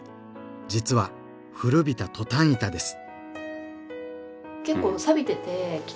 実は古びたトタン板です。